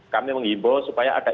kami mengimbul supaya ada